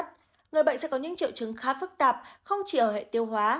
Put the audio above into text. trường hợp này người bệnh sẽ có những triệu chứng khá phức tạp không chỉ ở hệ tiêu hóa